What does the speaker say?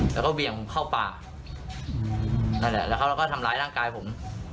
แล้วก็เบี่ยงผมเข้าป่านั่นแหละแล้วเขาก็ทำร้ายร่างกายผม